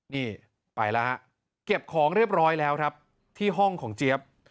นี่ไปแล้วฮะเก็บของเรียบร้อยแล้วครับที่ห้องของเจี๊ยบ